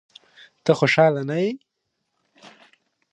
ته خوشاله نه یې؟